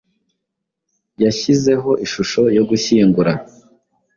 Yashizeho ishusho yo gushyingura